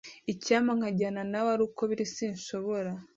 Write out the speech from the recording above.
Icyampa nkajyana nawe, ariko uko biri, sinshobora.